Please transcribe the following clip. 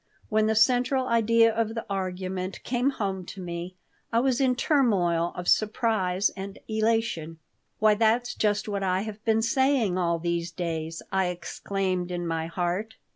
When the central idea of the argument came home to me I was in a turmoil of surprise and elation. "Why, that's just what I have been saying all these days!" I exclaimed in my heart.